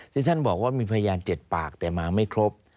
ที่ท่านบอกว่ามีพยาน๗ปากแต่มาไม่ครบ